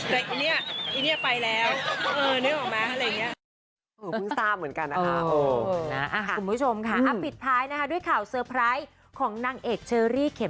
แต่อิเนี่ยอิเนี่ยไปแล้ว